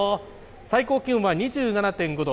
最高気温は２７．５度。